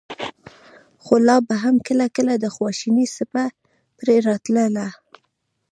خو لا به هم کله کله د خواشينۍڅپه پرې راتله.